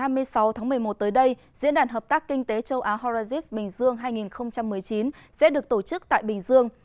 ngày hai mươi sáu tháng một mươi một tới đây diễn đàn hợp tác kinh tế châu á horacis bình dương hai nghìn một mươi chín sẽ được tổ chức tại bình dương